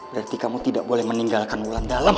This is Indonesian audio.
berarti kamu tidak boleh meninggalkan bulan dalam